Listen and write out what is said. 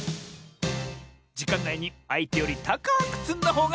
じかんないにあいてよりたかくつんだほうがかちサボよ！